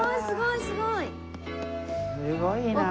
すごいな。